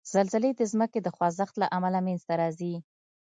زلزلې د ځمکې د خوځښت له امله منځته راځي.